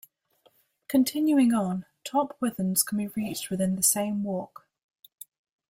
Continuing on, Top Withens can be reached within the same walk.